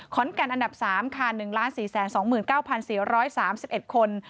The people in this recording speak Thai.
ข้อนแก่นอันดับ๓๑๔๒๙๔๓๑คน